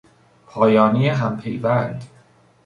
پایانهی همپیوند